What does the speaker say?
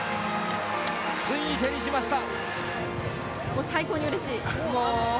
ついに手にしました！